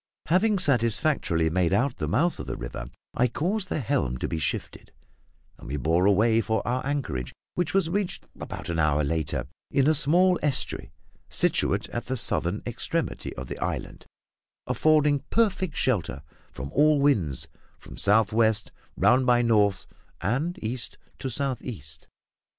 Having satisfactorily made out the mouth of the river, I caused the helm to be shifted, and we bore away for our anchorage, which was reached about an hour later, in a small estuary situate at the southern extremity of the island, affording perfect shelter from all winds from south west round by north and east to south east.